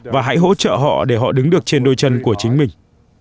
và hãy hỗ trợ họ để họ đứng được trên đôi chân của chính mình